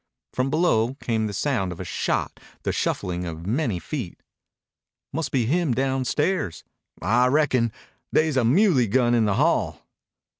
From below came the sound of a shot, the shuffling of many feet. "Must be him downstairs." "I reckon. They's a muley gun in the hall."